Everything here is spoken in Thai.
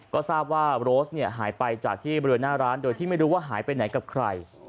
ก็ทราบว่าโรสหายไปจากที่บริเวณหน้าร้านโดยที่ไม่รู้ว่าหายไปไหนกับใคร